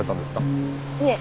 いえ。